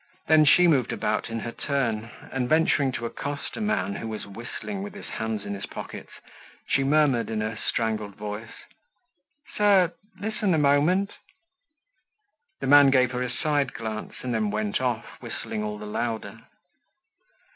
Then she moved about in her turn, and venturing to accost a man who was whistling with his hands in his pockets, she murmured, in a strangled voice: "Sir, listen a moment—" The man gave her a side glance and then went off, whistling all the louder.